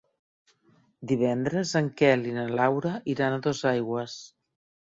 Divendres en Quel i na Laura iran a Dosaigües.